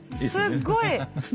すごい。